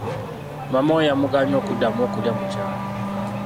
Maama we yamugaanye okuddamu okulya mu kyalo.